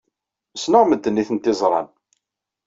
Ssneɣ medden ay tent-yeẓran.